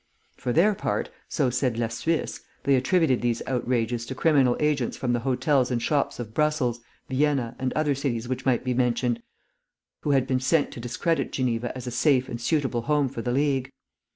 For their part (so said La Suisse), they attributed these outrages to criminal agents from the hotels and shops of Brussels, Vienna, and other cities which might be mentioned, who had been sent to discredit Geneva as a safe and suitable home for the League.